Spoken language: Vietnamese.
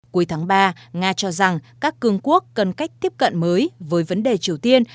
cuối tháng ba nga cho rằng các cường quốc cần cách tiếp cận mới với vấn đề triều tiên